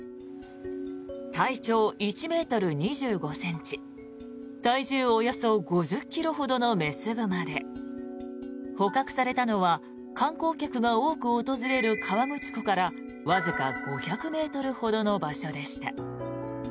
体長１ｍ２５ｃｍ体重およそ５０ｋｇほどの雌熊で捕獲されたのは観光客が多く訪れる河口湖からわずか５００ｍほどの場所でした。